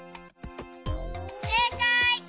せいかい！